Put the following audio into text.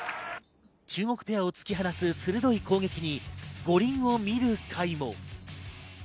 中国ペアを突き放す鋭い攻撃に、五輪を見る会も。